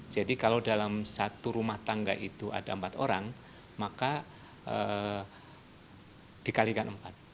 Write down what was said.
jadi kalau dalam satu rumah tangga itu ada empat orang maka dikalikan empat